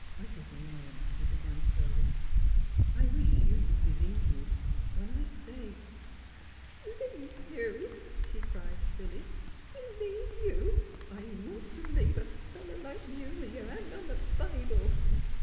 " Mrs. Orne," he began, slowly, '^ I wish you would believe me, when I say "'' B 'lieve you !'' she cried, shrilly. '' B 'lieve you? I wouldn't b 'lieve a fellow like you, with yer hand on th' Bible!